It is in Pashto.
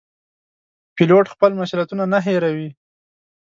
پیلوټ خپل مسوولیتونه نه هېروي.